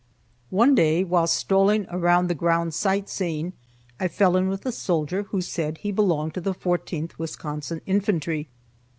One day while strolling around the grounds sight seeing, I fell in with a soldier who said he belonged to the 14th Wisconsin Infantry.